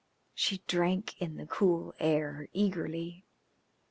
She drank in the cool air eagerly.